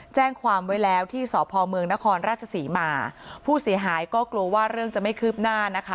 แจ้งความไว้แล้วที่สพเมืองนครราชศรีมาผู้เสียหายก็กลัวว่าเรื่องจะไม่คืบหน้านะคะ